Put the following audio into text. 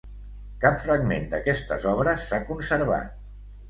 Cap fragment d'aquestes obres s'ha conservat.